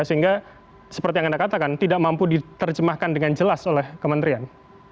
sehingga seperti yang anda katakan tidak mampu diterjemahkan dengan jelas oleh kementerian